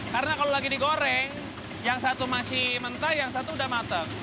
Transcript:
karena kalau lagi digoreng yang satu masih mentah yang satu sudah matang